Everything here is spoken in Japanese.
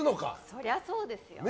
そりゃそうですよ。